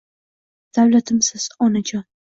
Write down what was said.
Davlatimsiz Onajon